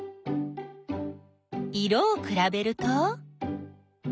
色をくらべると？